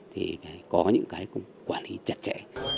thì có những cái cũng quản lý chặt chẽ